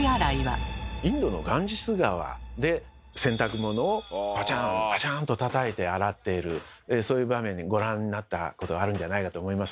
インドのガンジス川で洗濯物をバチャンバチャンとたたいて洗っているそういう場面ご覧になったことがあるんじゃないかと思います。